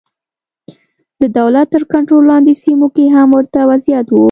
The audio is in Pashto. د دولت تر کنټرول لاندې سیمو کې هم ورته وضعیت و.